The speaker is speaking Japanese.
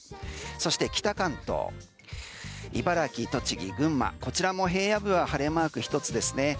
そして北関東、茨城、栃木、群馬こちらも平野部は晴れマーク１つですね。